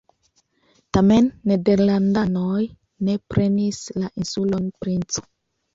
Tamen nederlandanoj ne prenis la insulon Princo.